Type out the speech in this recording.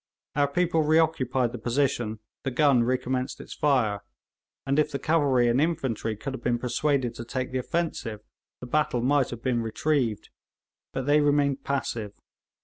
Our people reoccupied the position, the gun recommenced its fire, and if the cavalry and infantry could have been persuaded to take the offensive the battle might have been retrieved. But they remained passive.